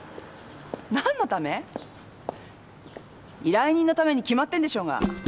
依頼人のために決まってんでしょうが。